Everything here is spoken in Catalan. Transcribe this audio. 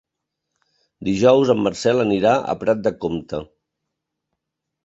Dijous en Marcel anirà a Prat de Comte.